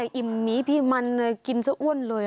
อย่างอิ่มนี้พี่มันกินสะอ้วนเลย